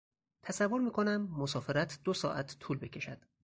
تصور میکنم مسافرت دو ساعت طول بکشد.